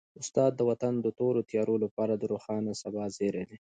استاد د وطن د تورو تیارو لپاره د روښانه سبا زېری دی.